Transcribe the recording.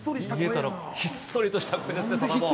ひっそりとした声ですね、サタボー。